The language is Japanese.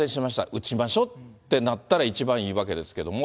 打ちましょうってなったら、一番いいわけですけれども。